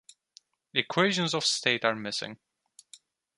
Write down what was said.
Equations of state are missing.